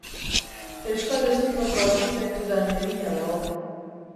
Euskal estiloko arkitekturan egina dago.